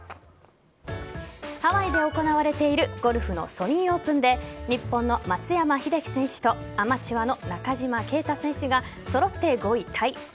ハワイで行われているゴルフのソニーオープンで日本の松山英樹選手とアマチュアの中島啓太選手が揃って５位タイ。